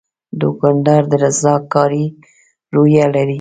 دوکاندار د رضاکارۍ روحیه لري.